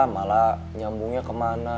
malah nyambungnya kemana